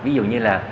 ví dụ như là